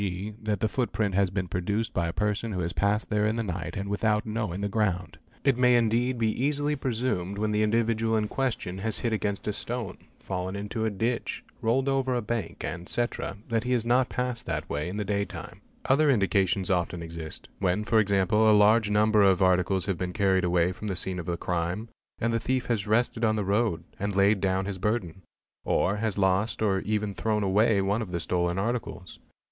g., that the footprint has been produced by a person who has passed there in the night and without knowing the ground. It may indeed be easily presumed when the individual in question has hit against a stone, fallen into a ditch, rolled over a bank, &c., that he has not passed that way in the day time. _ Other indications often exist: when for example a large number of articles have been carried away from the scene of the crime and the thief has rested on the road, and laid down his burden; or has lost or even thrown away one of the stolen articles.